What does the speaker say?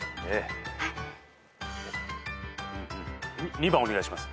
２番お願いします。